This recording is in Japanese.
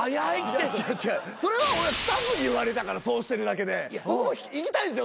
それはスタッフに言われたからそうしてるだけで僕も行きたいですよ